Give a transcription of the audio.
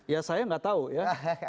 ya saya nggak tahu ya